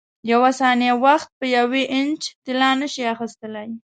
یوه ثانیه وخت په یوې انچه طلا نه شې اخیستلای.